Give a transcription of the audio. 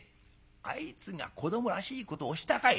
あいつが子どもらしいことをしたかい？